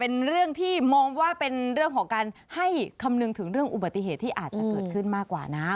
เป็นเรื่องที่มองว่าเป็นเรื่องของการให้คำนึงถึงเรื่องอุบัติเหตุที่อาจจะเกิดขึ้นมากกว่านะ